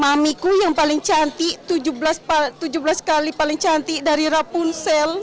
mamiku yang paling cantik tujuh belas kali paling cantik dari rapunsel